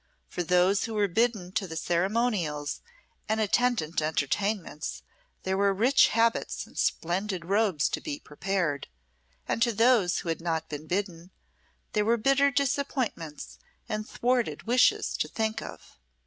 For those who were bidden to the ceremonials and attendant entertainments, there were rich habits and splendid robes to be prepared; and to those who had not been bidden, there were bitter disappointments and thwarted wishes to think of.